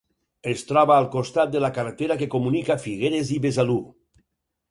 Es troba al costat de la carretera que comunica Figueres i Besalú.